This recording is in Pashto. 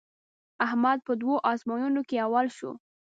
احمد په دوو ازموینو کې اول شو.